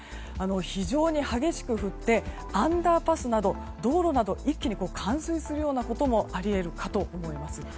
非常に激しく降ってアンダーパスなど道路など一気に冠水することもあり得るかと思います。